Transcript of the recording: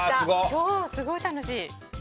今日はすごい楽しい。